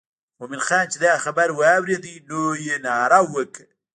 مومن خان چې دا خبره واورېده نو یې ناره وکړه.